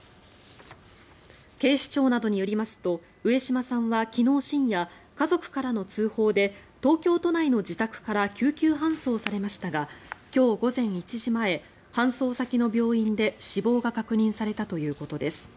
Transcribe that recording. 警視庁などによりますと上島さんは昨日深夜家族からの通報で東京都内の自宅から救急搬送されましたが今日午前１時前搬送先の病院で死亡が確認されたということです。